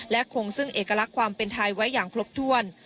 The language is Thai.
และคงซึ่งเอกลักษณ์ความเป็นไทยไว้อย่างครบถ้วน